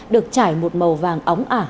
được trải một màu vàng óng ả